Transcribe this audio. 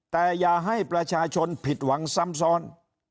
แต่อย่าให้ประชาชนผิดหวังซ้ำซ้อน